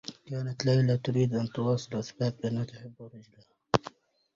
كانت ليلى تريد أن تواصل الإثبات بأنّها تحبّ رجلها.